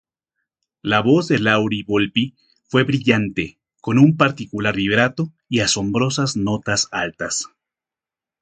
La voz de Lauri-Volpi fue brillante, con un particular vibrato y asombrosas notas altas.